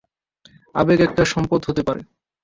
আবেগ একটা সম্পদ হতে পারে।